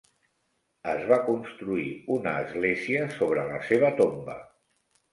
Es va construir una església sobre la seva tomba.